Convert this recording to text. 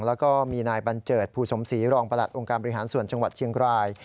แล้วก็มีนายบัญเจิดภูสมศรีรองประหลัดองค์การบริหารส่วนจังหวัดเชียงราย